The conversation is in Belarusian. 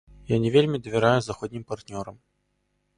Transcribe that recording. Я не вельмі давяраю заходнім партнёрам.